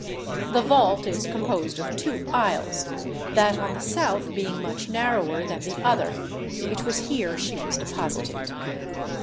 The vault is composed of two aisles, that on the south being much narrower than the other, it was here she was deposited.